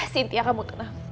cynthia kamu kenal